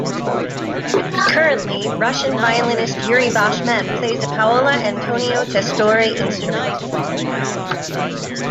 Currently, Russian violist Yuri Bashmet plays a Paolo Antonio Testore instrument.